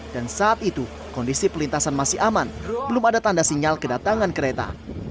dan saat itu kondisi perlintasan masih aman belum ada tanda sinyal kedatangan kereta